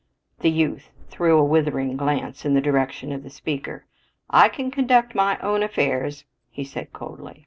The youth threw a withering glance in the direction of the speaker. "I can conduct my own affairs," he said coldly.